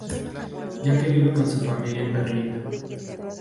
Ya que vive con su familia en Berlín.